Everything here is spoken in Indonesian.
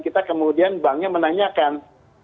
kita kemudian banknya menanyakan